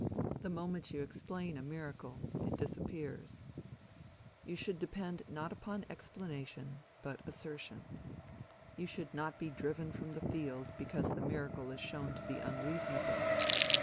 The moment you explain a miracle, it disappears. You should depend not upon explanation, but assertion. You should not be driven from the field because the miracle is shown to be unreasonable.